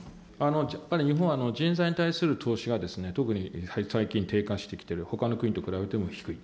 やっぱり日本は人材に対する投資が特に最近、低下してきている、ほかの国と比べても低い。